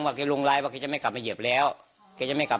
เธอบอกไหมครับว่าจะกลับหรือไม่กลับ